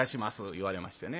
言われましてね。